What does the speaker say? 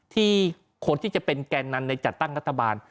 ที่คนที่จะเป็นแกนนำในจัดตั้งรัฐบาล